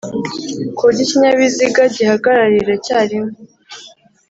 ku buryo ikinyabiziga gihagararira icyarimwe